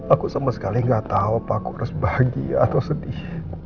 aku sama sekali nggak tahu apa aku harus bahagia atau sedih